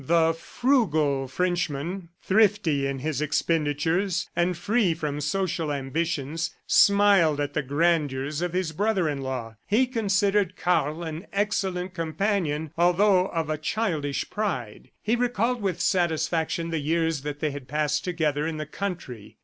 The frugal Frenchman, thrifty in his expenditures and free from social ambitions, smiled at the grandeurs of his brother in law. He considered Karl an excellent companion although of a childish pride. He recalled with satisfaction the years that they had passed together in the country.